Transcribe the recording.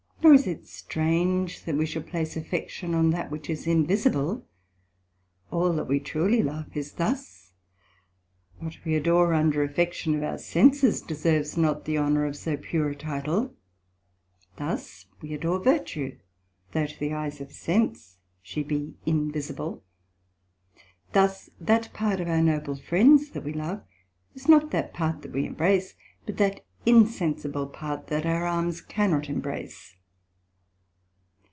Nor is it strange that we should place affection on that which is invisible; all that we truly love is thus; what we adore under affection of our senses, deserves not the honour of so pure a title. Thus we adore virtue, though to the eyes of sense she be invisible: thus that part of our noble friends that we love, is not that part that we imbrace, but that insensible part that our arms cannot embrace.